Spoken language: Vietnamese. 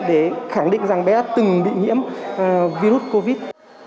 để khẳng định rằng bé đã từng bị nhiễm virus covid